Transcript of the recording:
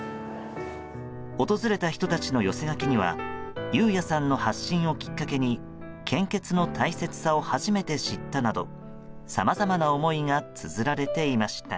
訪れた人たちの寄せ書きには雄也さんの発信をきっかけに献血の大切さを初めて知ったなどさまざまな思いがつづられていました。